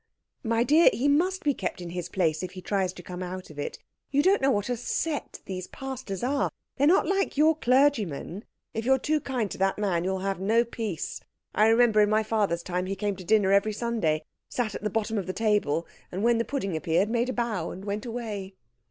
"My dear, he must be kept in his place if he tries to come out of it. You don't know what a set these pastors are. They are not like your clergymen. If you are too kind to that man you'll have no peace. I remember in my father's time he came to dinner every Sunday, sat at the bottom of the table, and when the pudding appeared made a bow and went away."